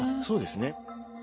そうですね。